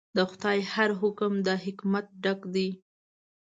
د خدای هر حکم د حکمت ډک دی.